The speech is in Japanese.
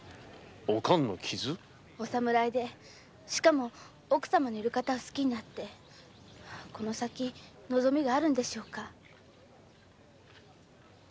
お侍でしかも奥様のいる方を好きになってこの先望みがあるのでしょうか？